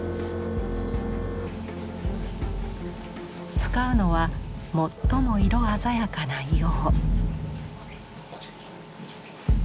使うのは最も色鮮やかな硫黄。